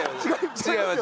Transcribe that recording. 違います